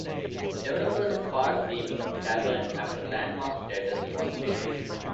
Developers spared the tavern after landmark status was denied.